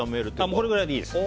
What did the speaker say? これくらいでいいです。